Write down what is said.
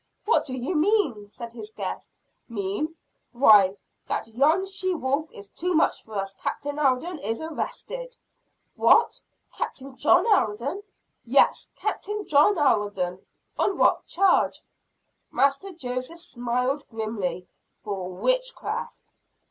"What do you mean?" said his guest. "Mean? Why, that yon she wolf is too much for us. Captain Alden is arrested!" "What! Captain John Alden!" "Yes, Captain John Alden!" "On what charge?" Master Joseph smiled grimly, "For witchcraft!"